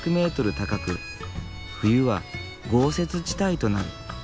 高く冬は豪雪地帯となる。